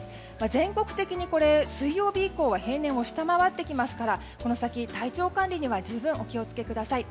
全国的に水曜日以降は平年を下回ってきますからこの先、体調管理には十分お気をつけください。